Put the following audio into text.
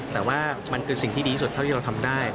แต่ว่ามันคือสิ่งที่ดีที่สุดเท่าที่เราทำได้